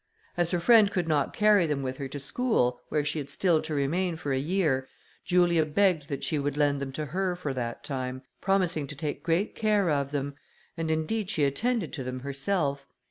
As her friend could not carry them with her to school, where she had still to remain for a year, Julia begged that she would lend them to her for that time, promising to take great care of them; and, indeed, she attended to them herself.